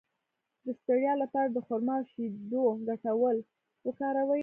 د ستړیا لپاره د خرما او شیدو ګډول وکاروئ